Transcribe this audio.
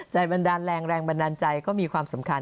บันดาลแรงแรงบันดาลใจก็มีความสำคัญ